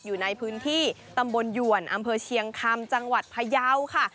อยู่ในพื้นที่ตำบลหยวนอำเภอเชียงคำจังหวัดพยาวค่ะ